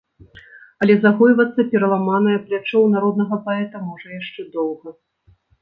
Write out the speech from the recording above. Але загойвацца пераламанае плячо ў народнага паэта можа яшчэ доўга.